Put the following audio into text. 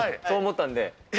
そう思ったんで。